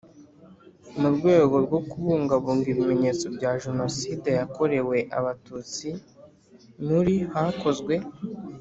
Mu rwego rwo kubungabunga ibimenyetso bya Jenoside yakorewe Abatutsi muri hakozwe